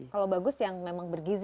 kalau bagus yang memang bergizi